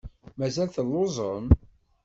Mazal telluẓem?